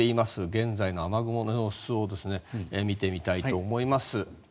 現在の雨雲の様子を見てみたいと思います。